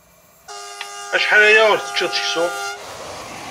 Acḥal aya ur teččiḍ ara seksu?